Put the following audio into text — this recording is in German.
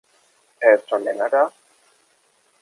Er ist schon länger da?